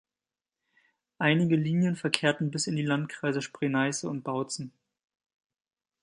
Einige Linien verkehrten bis in die Landkreise Spree-Neiße und Bautzen.